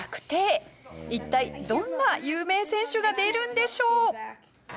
一体どんな有名選手が出るんでしょう？